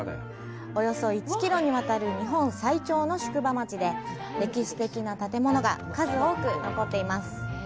およそ１キロにわたる日本最長の宿場町で、歴史的な建物が数多く残っています。